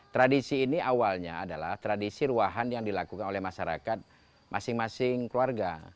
tradisi ini awalnya adalah tradisi ruahan yang dilakukan oleh masyarakat masing masing keluarga